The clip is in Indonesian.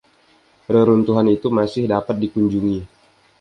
Reruntuhan itu masih dapat dikunjungi.